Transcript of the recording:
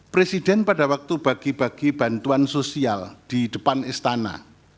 presiden pada waktu bagi bagi bantuan sosial di depan istana